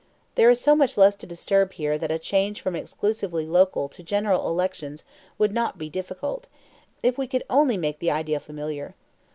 There is so much less to disturb here that a change from exclusively local to general elections would not be difficult, if we could only make the idea familiar.